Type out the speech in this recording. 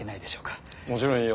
もちろんいいよ。